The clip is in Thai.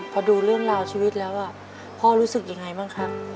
พอดูเรื่องราวชีวิตแล้วพ่อรู้สึกยังไงบ้างครับ